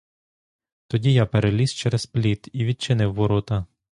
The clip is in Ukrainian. Тоді я переліз через пліт і відчинив ворота.